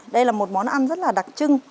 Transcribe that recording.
đây là một món ăn rất là đặc trưng